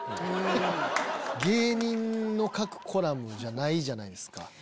芸人の書くコラムじゃないじゃないですか。